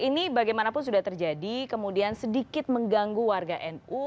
ini bagaimanapun sudah terjadi kemudian sedikit mengganggu warga nu